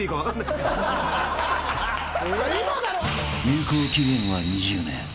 ［有効期限は２０年］